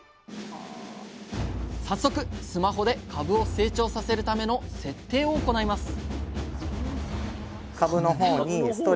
早速スマホで株を成長させるための設定を行います